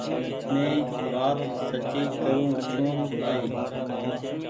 مينٚ وآت سچي ڪرون ڇوٚنٚ بآئي